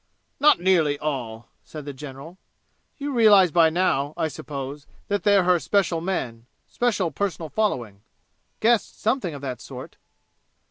"Not nearly all!" said the general. "You realize by now, I suppose, that they're her special men special personal following?" "Guessed something of that sort."